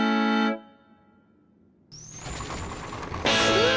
うわ！